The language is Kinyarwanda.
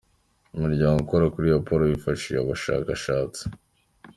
Umuryango ukora iyi raporo wifashishije abashakashatsi.